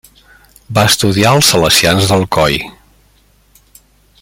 Va estudiar als Salesians d'Alcoi.